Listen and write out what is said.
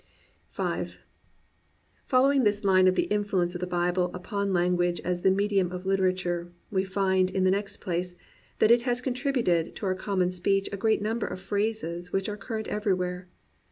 Following this line of the influence of the Bible upon language as the medium of literature, we find, in the next place, that it has contributed to our com mon speech a great number of phrases which are current everywhere.